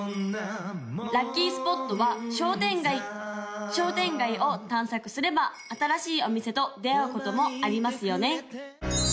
・ラッキースポットは商店街商店街を探索すれば新しいお店と出会うこともありますよね